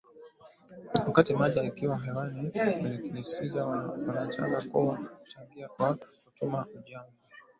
wakati mada ikiwa hewani wasikilizaji wanaweza kuchangia kwa kutuma ujumbe